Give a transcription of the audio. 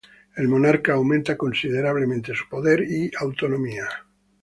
El monarca aumenta considerablemente su poder y autonomía.